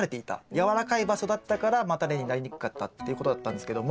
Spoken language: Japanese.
やわらかい場所だったから叉根になりにくかったっていうことだったんですけども。